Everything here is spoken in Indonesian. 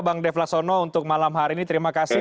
bang dev lasono untuk malam hari ini terima kasih